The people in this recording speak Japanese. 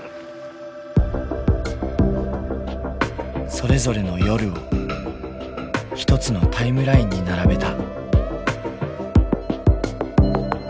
それぞれの夜を１つのタイムラインに並べた。